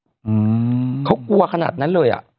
อืมเขากลัวขนาดนั้นเลยอ่ะ